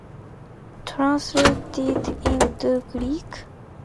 Translated into Greek?